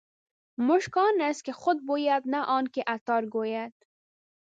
مشک آن است که خود بوید نه آن که عطار ګوید.